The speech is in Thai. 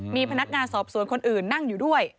มีพนักงานสอบสวนคนอื่นนั่งอยู่ด้วย